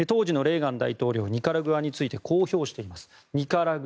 当時のレーガン大統領ニカラグアについてこう評しています。